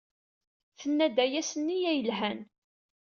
Tenna-d aya s nneyya yelhan.